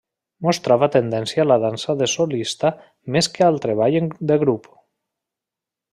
Mostrava tendència a la dansa de solista més que al treball de grup.